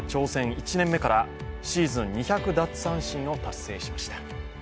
１年目からシーズン２００奪三振を達成しました。